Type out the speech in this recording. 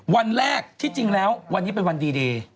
วันแรกที่จริงแล้ววันนี้เป็นวันดี